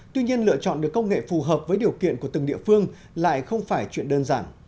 tuy nhiên lựa chọn được công nghệ phù hợp với điều kiện của từng địa phương lại không phải chuyện đơn giản